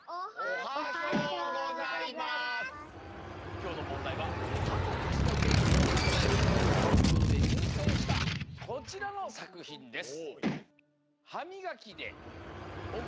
きょうのもんだいははとくちのけんこうをかんがえるひょうごコンクールでにゅうせんしたこちらのさくひんです。